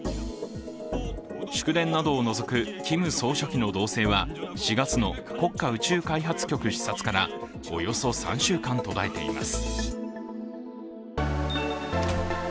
祝電などを除くキム総書記の動静は４月の国家宇宙開発局視察からおよそ３週間、途絶えています。